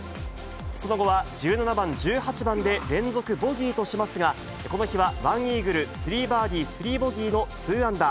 その後は１７番、１８番で連続ボギーとしますが、この日は１イーグル、３バーディー、３ボギーの２アンダー。